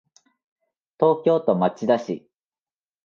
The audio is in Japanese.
東京都町田市